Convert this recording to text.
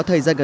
thời gian này